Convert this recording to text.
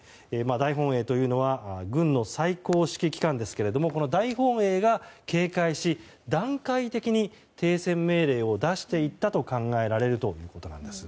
大本営というのは軍の最高指揮機関ですがこの大本営が警戒し、段階的に停戦命令を出していったと考えられるということなんです。